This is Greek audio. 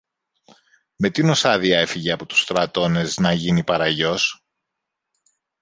Με τίνος άδεια έφυγε από τους στρατώνες να γίνει παραγιός;